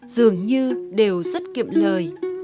dường như đều rất kiệm lời